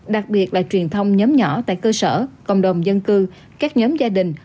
đặc biệt là truyền thông nhóm nhỏ tại cơ sở cộng đồng dân cư các nhóm gia đình